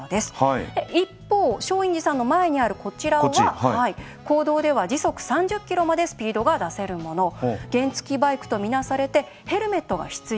一方松陰寺さんの前にあるこちらは公道では時速３０キロまでスピードが出せるもの原付きバイクと見なされてヘルメットが必要なんです。